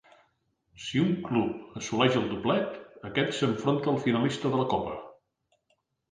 Si un club assoleix el doblet, aquest s'enfronta al finalista de la copa.